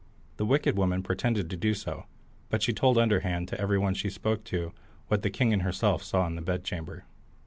The wicked woman pretended to do so, but she told underhand to everybody she spoke to what the king and herself saw in the bedchamber.